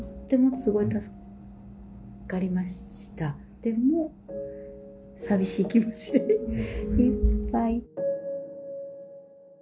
でも寂しい気持ちでいっぱい。